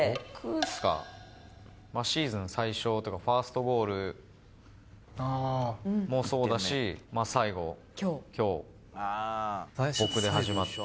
シーズン最初っていうかファーストゴールもそうだし最後今日。